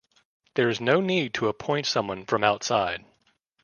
There is no need to appoint someone from outside.